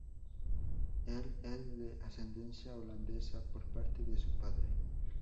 Él es de ascendencia holandesa por parte de su padre.